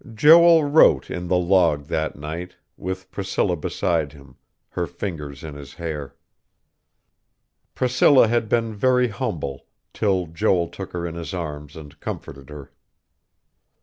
Joel wrote in the log that night, with Priscilla beside him, her fingers in his hair. Priscilla had been very humble, till Joel took her in his arms and comforted her....